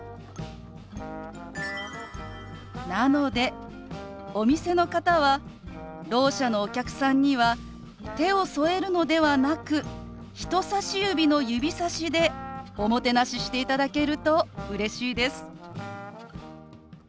なのでお店の方はろう者のお客さんには手を添えるのではなく人さし指の指さしでおもてなししていただけるとうれしいです。